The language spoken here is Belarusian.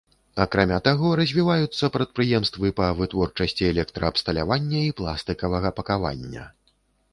Акрамя таго, развіваюцца прадпрыемствы па вытворчасці электраабсталявання і пластыкавага пакавання.